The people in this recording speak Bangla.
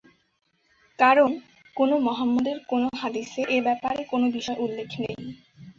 কারণ কোনো মুহাম্মাদের কোনো হাদিসে এ ব্যাপারে কোনো বিষয় উল্লেখ নেই।